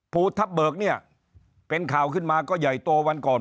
ภูทับเบิกเนี่ยเป็นข่าวขึ้นมาก็ใหญ่โตวันก่อน